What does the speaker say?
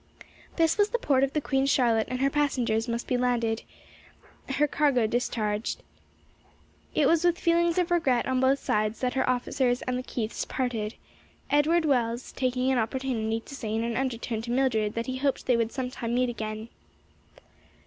This was the port of the Queen Charlotte and her passengers must be landed, her cargo discharged. It was with feelings of regret on both sides that her officers and the Keiths parted; Edward Wells taking an opportunity to say in an undertone to Mildred that he hoped they would sometime meet again.